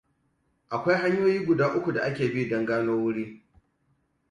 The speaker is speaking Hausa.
Akwai hanyoyi guda uku da ake bi don gano wuri.